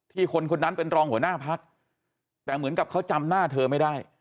คนคนนั้นเป็นรองหัวหน้าพักแต่เหมือนกับเขาจำหน้าเธอไม่ได้